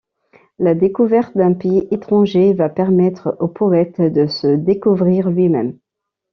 La découverte d'un pays étranger va permettre au poète de se découvrir lui-même.